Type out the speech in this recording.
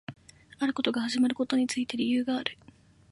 あることが始まることについて理由がある